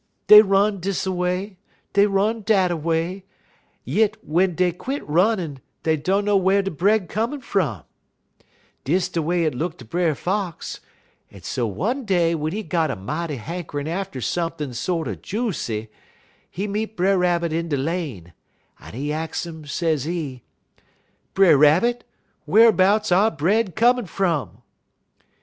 Dey run dis a way, dey run dat a way; yit w'en dey quit runnin' dey dunner whar dey bread comin' frun. Dis de way it look ter Brer Fox, un so one day w'en he got a mighty hankerin' atter sumpin' sorter joosy, he meet Brer Rabbit in de lane, un he ax um, sezee: "'Brer Rabbit, whar'bouts our bread comin' frun?'